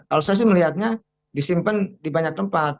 kalau saya sih melihatnya disimpan di banyak tempat